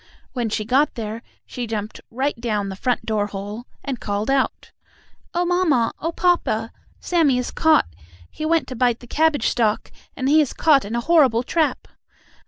When she got there she jumped right down the front door hole, and called out: "Oh, mamma! Oh, papa! Sammie is caught! He went to bite the cabbage stalk, and he is caught in a horrible trap!"